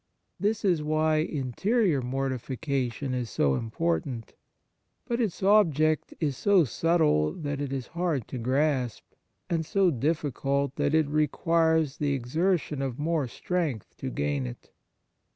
This is why interior mor tification is so important ; but its ob ject is so subtle that it is hard to grasp, and so difficult that it requires the exertion of more strength to gain it.